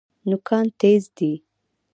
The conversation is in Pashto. نوکان تیز دي.